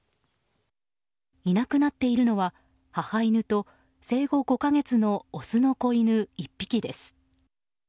いなくなっているのは母犬と生後５か月のオスの子犬１匹です。